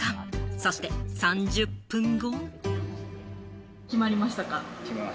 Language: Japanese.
そして３０分後。